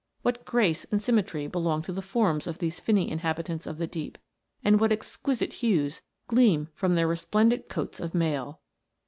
What grace and symmetry belong to the forms of these finny inhabitants of the deep, and what exquisite hues gleam from their resplendent coats of mail